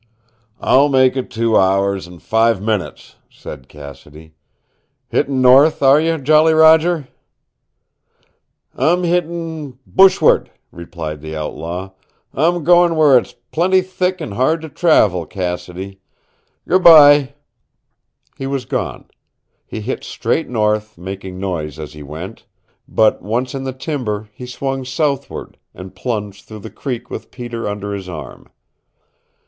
"I'll make it two hours and five minutes," said Cassidy. "Hittin' north are you, Jolly Roger?" "I'm hittin' bushward," replied the outlaw. "I'm going where it's plenty thick and hard to travel, Cassidy. Goodby " He was gone. He hit straight north, making noise as he went, but once in the timber he swung southward, and plunged through the creek with Peter under his arm.